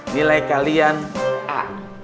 nilai kalian a